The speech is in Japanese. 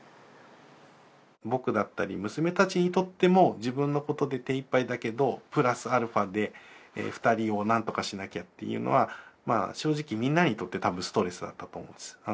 僕だったり娘たちにとっても自分のことで手一杯だけどプラスアルファで２人をなんとかしなきゃっていうのは正直みんなにとって多分ストレスだったと思うんです。